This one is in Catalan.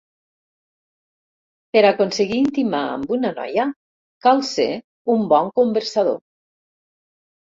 Per aconseguir intimar amb una noia cal ser un bon conversador.